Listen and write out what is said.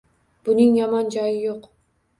Buning yomon joyi yo‘q